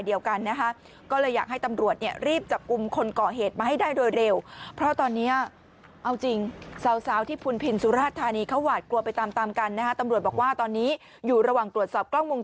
เดี๋ยวจะมีจุดพีคอีกจุดนึง